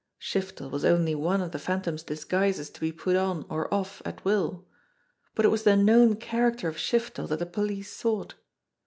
Shiftel was only one of the Phantom's disguises to be put on or off at will. But it was the known character of Shiftel that the police sought.